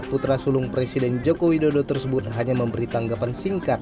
putra sulung presiden joko widodo tersebut hanya memberi tanggapan singkat